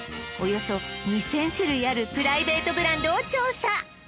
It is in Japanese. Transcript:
およそ２０００種類あるプライベートブランドを調査